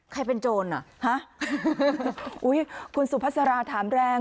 ใครเป็นโจนน่ะฮะคุณสุพัสราถามแรง